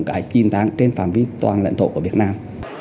cái chinh tháng trên phạm vi toàn lãnh thổ của việt nam